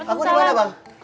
aku di mana bang